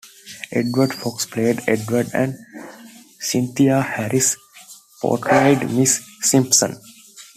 Edward Fox played Edward, and Cynthia Harris portrayed Mrs. Simpson.